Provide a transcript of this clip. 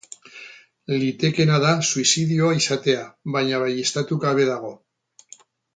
Litekeena da suizidioa izatea, baina baieztatu gabe dago.